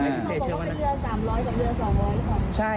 อันนี้ประกบก็เป็นเรือ๓๐๐กับเรือ๒๐๐หรือเปล่า